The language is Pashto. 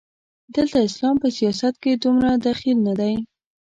دلته اسلام په سیاست کې دومره دخیل نه دی.